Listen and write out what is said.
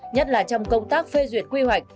nhất là trong công tác phê duyệt quy hoạch